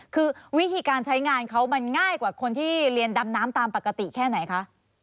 คือวิธีการใช้งานเขามันง่ายกว่าคนที่เรียนดำน้ำตามปกติแค่ไหนคะ